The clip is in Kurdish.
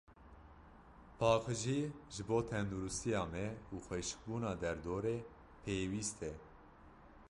Paqijî, ji bo tendirûstiya me û xweşikbûna derdorê, pêwîst e.